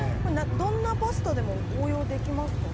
どんなパスタでも応用できますかね？